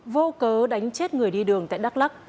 vô cớ đánh chết người đi đường tại đắk lắc